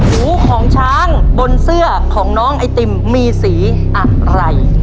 หูของช้างบนเสื้อของน้องไอติมมีสีอะไร